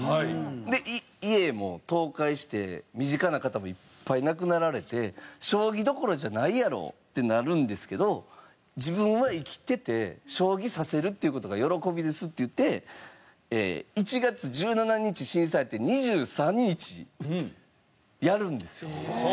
で家も倒壊して身近な方もいっぱい亡くなられて将棋どころじゃないやろうってなるんですけど自分は生きてて将棋指せるっていう事が喜びですって言って１月１７日震災あって２３日やるんですよ。